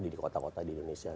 di kota kota di indonesia